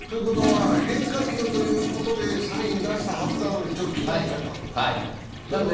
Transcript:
変化球ということでサイン出したはずなのに直球が来ちゃったと。